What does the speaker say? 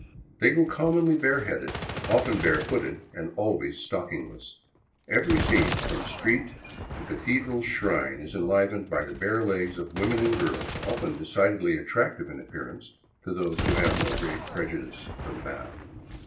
They go commonly bareheaded, often barefooted, and always stockingless. Every scene from street to Cathedral shrine is enlivened by the bare legs of women and girls often decidedly attractive in appearance — to those who have no great prejudice for the bath.